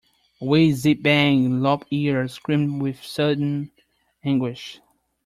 Whiz-zip-bang. Lop-Ear screamed with sudden anguish.